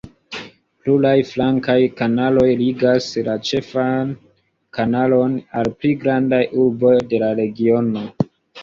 Pluraj flankaj kanaloj ligas la ĉefan kanalon al pli grandaj urboj de la regiono.